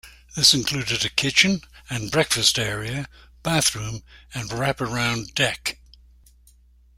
This included a kitchen and breakfast area, bathroom, and wraparound deck.